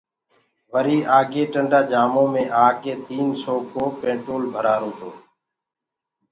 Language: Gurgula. وريٚ آگي ٽنٚڊآ جآمونٚ مي آڪي تيٚن سو ڪو پينٽول ڀرآرو تو